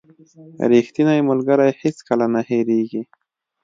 • ریښتینی ملګری هیڅکله نه هېریږي.